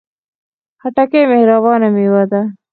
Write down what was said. خټکی مهربانه میوه ده.